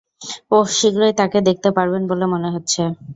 ওহ, শীঘ্রই তাকে দেখতে পারবেন বলে মনে হচ্ছে।